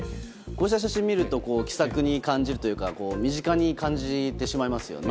こうした写真を見ると気さくに感じるというか身近に感じてしまいますよね。